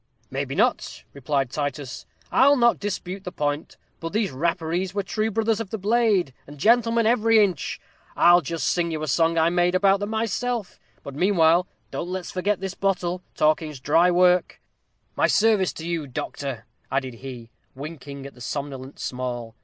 "Maybe not," replied Titus; "I'll not dispute the point but these Rapparees were true brothers of the blade, and gentlemen every inch. I'll just sing you a song I made about them myself. But meanwhile don't let's forget the bottle talking's dry work. My service to you, doctor!" added he, winking at the somnolent Small.